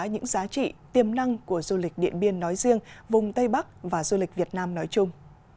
những giá trị tiềm năng của du lịch điện biên nói riêng vùng tây bắc và du lịch việt nam nói chung